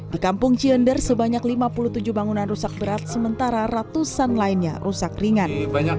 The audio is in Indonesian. di kampung ciender sebanyak lima puluh tujuh bangunan rusak berat sementara ratusan lainnya rusak ringan